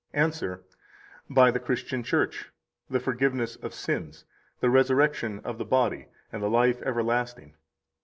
Answer: By the Christian Church, the forgiveness of sins, the resurrection of the body, and the life everlasting.